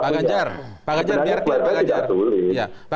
pak ganjar biar saya jatuh